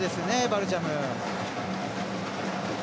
バルシャム。